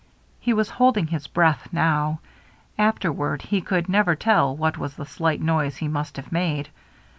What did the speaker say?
He was holding his breath now; afterward he could never tell what was the slight noise he must have made.